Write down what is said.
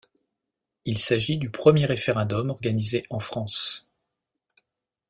Il s'agit du premier référendum organisé en France.